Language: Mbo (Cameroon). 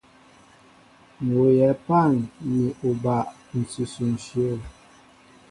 M̀ wooyɛ pân ni oba ǹsʉsʉ ǹshyə̂.